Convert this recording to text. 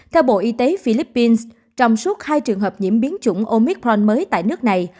theo bộ y tế philippines trong suốt hai trường hợp nhiễm biến chủng omicron mới tại nước này